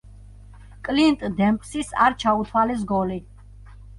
კლინტ დემპსის არ ჩაუთვალეს გოლი.